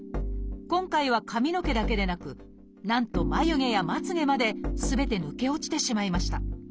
今回は髪の毛だけでなくなんと眉毛やまつげまですべて抜け落ちてしまいました。